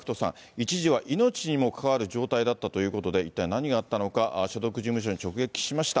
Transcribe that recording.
一時は命にも関わる状態だったということで、一体何があったのか、所属事務所に直撃しました。